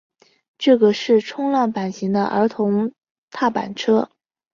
这个是冲浪板型的儿童踏板车。